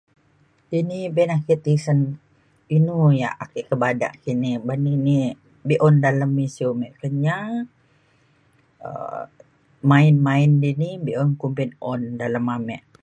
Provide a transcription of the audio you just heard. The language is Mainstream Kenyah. ini be na ake tisen inu yak ake ke bada kini ban me be’un dalem isiu me Kenyah um main main dini be’un kumbin un dalem ame